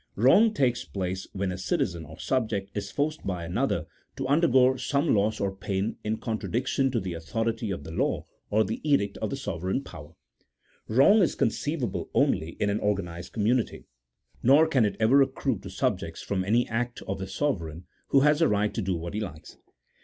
Wrong takes place when a citizen, or subject, is forced by another to undergo 203 A THEOLOGICO POLITICAL TREATISE. [CHAP. XVI. some loss or pain in contradiction to the authority of the law, or the edict of the sovereign power. Wrong is conceivable only in an organized community : nor can it ever accrue to subjects from any act of the sove reign, who has the right to do what he likes.